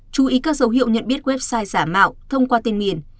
chú ý các dấu hiệu nhận biết website giả mạo thông qua tên miền